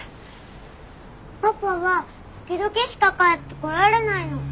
パパは時々しか帰ってこられないの。